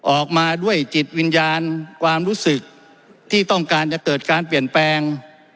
ออกมาด้วยจิตวิญญาณความรู้สึกที่ต้องการจะเกิดการเปลี่ยนแปลง